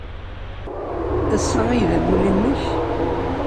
Ass-a ay d amulli-nnek?